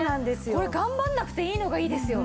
これ頑張らなくていいのがいいですよ。